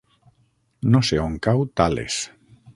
No sé on cau Tales.